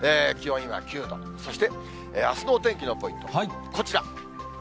気温今９度、そして、あすのお天気のポイント、こちら。